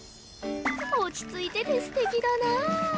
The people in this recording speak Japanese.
落ち着いててすてきだな